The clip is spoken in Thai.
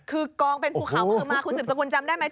คือกองเป็นภูเขาคือมาคุณศึกสมควรจำได้ไหม